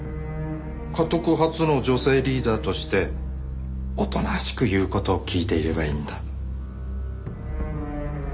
かとく初の女性リーダーとしておとなしく言う事を聞いていればいいんだ。